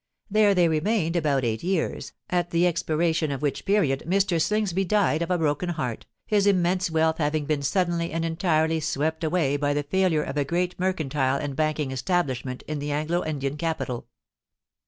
There they remained about eight years, at the expiration of which period Mr. Slingsby died of a broken heart, his immense wealth having been suddenly and entirely swept away by the failure of a great mercantile and banking establishment in the Anglo Indian capital.